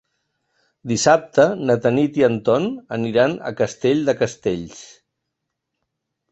Dissabte na Tanit i en Ton aniran a Castell de Castells.